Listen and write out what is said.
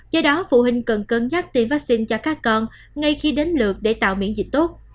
do đó phụ huynh cần cân nhắc tiêm vaccine cho các con ngay khi đến lượt để tạo miễn dịch tốt